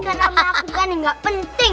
ini kan aku melakukan ini gak penting